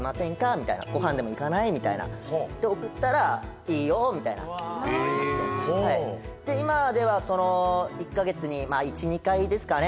みたいな「ご飯でも行かない？」みたいなで送ったら「いいよ」みたいなおほうで今ではその１カ月に１２回ですかね